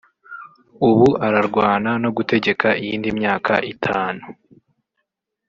ubu ararwana no gutegeka iyindi myaka itanu